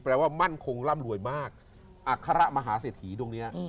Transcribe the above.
แปลว่ามั่นคงร่ำรวยมากอัคระมหาเสถียรุ่งนี้